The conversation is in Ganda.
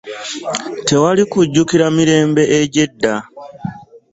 Tewali kujjukira mirembe egy'edda.